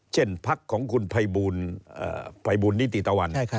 เช่นพักของคุณภัยบูรณิติตะวัน